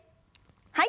はい。